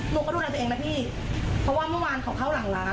หนูก็ดูแลตัวเองนะพี่เพราะว่าเมื่อวานเขาเข้าหลังร้าน